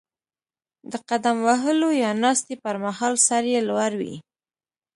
د قدم وهلو یا ناستې پر مهال سر یې لوړ وي.